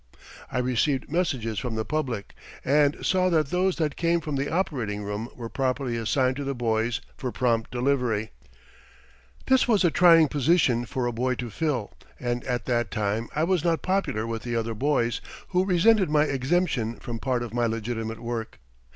I received messages from the public and saw that those that came from the operating room were properly assigned to the boys for prompt delivery. This was a trying position for a boy to fill, and at that time I was not popular with the other boys, who resented my exemption from part of my legitimate work.